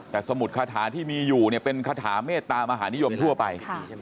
แต่สมุดคาถาที่มีอยู่เนี่ยเป็นคาถาเมตตามหานิยมทั่วไป